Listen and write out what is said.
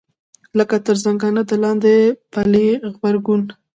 لکه تر زنګانه د لاندې پلې غبرګون.